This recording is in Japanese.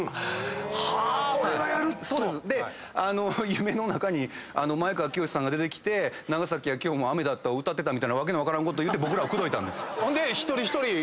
夢の中に前川清さんが出てきて『長崎は今日も雨だった』を歌ってたみたいな訳の分からんこと言うて。